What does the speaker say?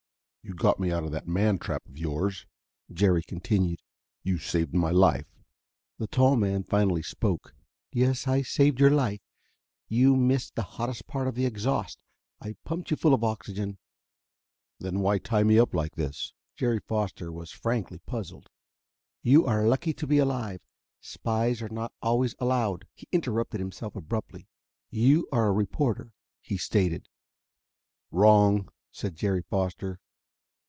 "You got me out of that man trap of yours," Jerry continued. "You saved my life." The tall man finally spoke. "Yes, I saved your life. You missed the hottest part of the exhaust. I pumped you full of oxygen." "Then why tie me up like this?" Jerry Foster was frankly puzzled. "You are lucky to be alive. Spies are not always allowed " He interrupted himself abruptly. "You are a reporter," he stated. "Wrong," said Jerry Foster.